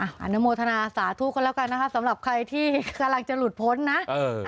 อนุโมทนาสาธุกันแล้วกันนะคะสำหรับใครที่กำลังจะหลุดพ้นนะเออ